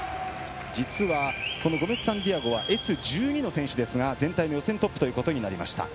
実は、このゴメスサンティアゴはＳ１２の選手ですが全体の予選トップということになりました。